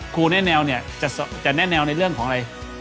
แน่แนวเนี่ยจะแนะแนวในเรื่องของอะไร